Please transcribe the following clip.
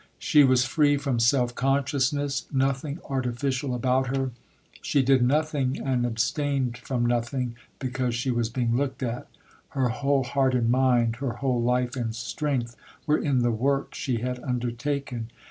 She was free from self consciousness; nothing artificial about her. She did nothing, and abstained from nothing, because she was being looked at. Her whole heart and mind, her whole life and strength were in the work she had undertaken.